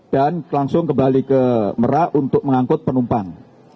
dan langsung kembali ke merak untuk mengangkut penumpang